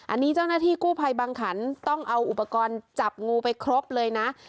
อันนี้เจ้าหน้าที่กู้ภัยบางขันต้องเอาอุปกรณ์จับงูไปครบเลยนะ